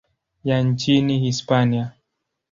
ya nchini Hispania.